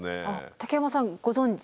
竹山さんご存じない？